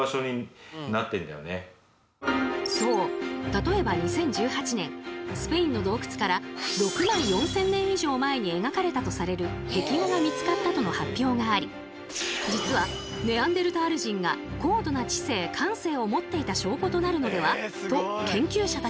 例えば２０１８年スペインの洞窟から６万４，０００年以上前に描かれたとされる壁画が見つかったとの発表があり実はネアンデルタール人が高度な知性・感性を持っていた証拠となるのでは？と研究者たちは騒然。